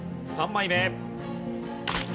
３枚目。